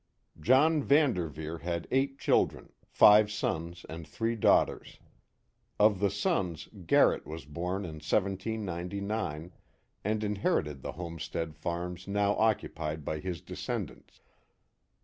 John Van Derveer had eight children, five sons and three daughters. Of the sons, Garrett was born in 1799. and in herited the homestead farms now occupied by his descendants.